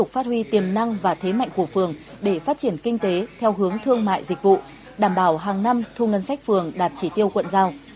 phát huy tiềm năng và thế mạnh của phường để phát triển kinh tế theo hướng thương mại dịch vụ đảm bảo hàng năm thu ngân sách phường đạt chỉ tiêu quận giao